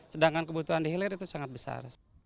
sedangkan kebutuhan di hilir itu sangat besar